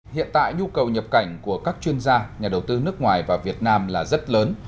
hiện tại nhu cầu nhập cảnh của các chuyên gia nhà đầu tư nước ngoài và việt nam là rất lớn